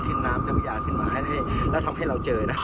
ขึ้นน้ำทรัพยาขึ้นมาและทำให้เราเจอนะ